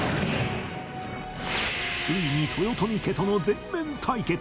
ついに豊臣家との全面対決